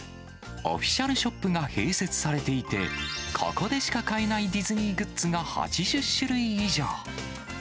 オフィシャルショップが併設されていて、ここでしか買えないディズニーグッズが８０種類以上。